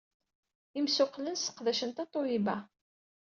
Imsuqqlen sseqdacen Tatoeba?